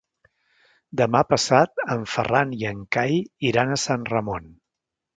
Demà passat en Ferran i en Cai iran a Sant Ramon.